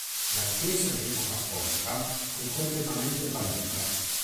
La Chiesa greco-cattolica fu completamente bandita.